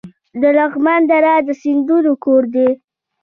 د لغمان دره د سیندونو کور دی